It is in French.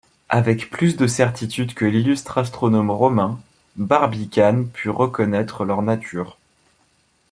Avec plus de certitude que l’illustre astronome romain, Barbicane put reconnaître leur nature.